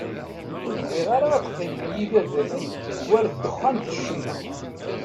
Ur bɣiɣ ara ad qqimen yibabaten war ddexxan d ccemma.